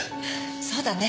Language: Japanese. そうだね。